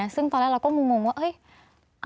ซึ่งตอนแรกเราก็งงวงว่า